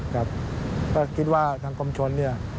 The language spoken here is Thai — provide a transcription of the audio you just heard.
ก็คิดว่าทางคมชน